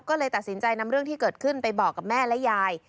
ก็เลยตัดสินใจนำเรื่องที่เกิดขึ้นไปบอกกับแม่และยาย